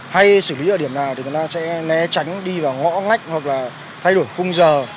hay xử lý ở điểm nào thì người ta sẽ né tránh đi vào ngõ ngách hoặc là thay đổi khung giờ